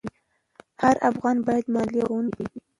هر افغان باید مالیه ورکوونکی وي.